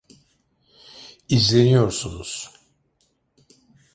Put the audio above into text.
İzleniyorsunuz.